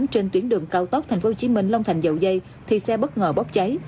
trên tuyến đường cao tốc tp hcm long thành dầu dây thì xe bất ngờ bóp cháy